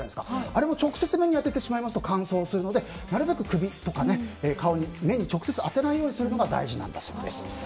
あれも直接目に当ててしまいますと乾燥してしまいますのでなるべく首とか、顔に目に直接当てないようにするのが大事なんだそうです。